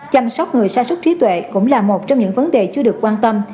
chăm sóc người sa sút trí tuệ cũng là một trong những vấn đề chưa được quan tâm